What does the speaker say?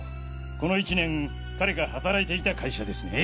この１年彼が働いていた会社ですね。